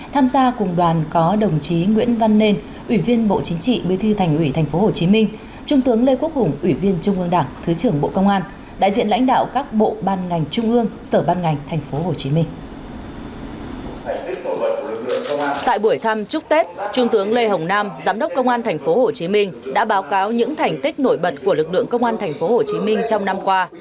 tại buổi thăm chúc tết trung tướng lê hồng nam giám đốc công an tp hcm đã báo cáo những thành tích nổi bật của lực lượng công an tp hcm trong năm qua